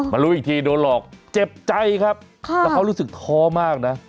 รู้อีกทีโดนหลอกเจ็บใจครับแล้วเขารู้สึกท้อมากนะ